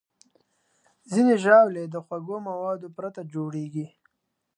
ځینې ژاولې د خوږو موادو پرته جوړېږي.